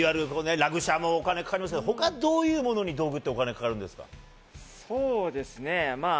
ラグ車もお金かかりますけど、他にどういうものにお金かかるんですか？